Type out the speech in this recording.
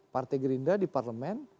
partai gerindra di parlemen